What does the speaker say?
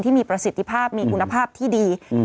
ประสิทธิภาพมีคุณภาพที่ดี